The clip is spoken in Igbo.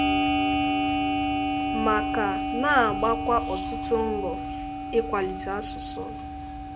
ma ka na-agbakwa ọtụtụ mbọ ịkwàlitè asụsụ